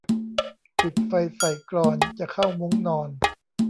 ปิดไฟใส่กลอน จะเข้ามุ้งนอน